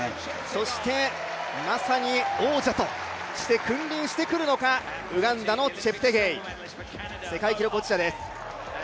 そしてまさに王者として君臨してくるのか、ウガンダのチェプテゲイ、世界記録保持者です。